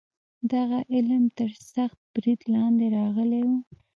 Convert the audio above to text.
دغه علم تر سخت برید لاندې راغلی و.